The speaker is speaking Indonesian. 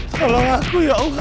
tolong aku ya allah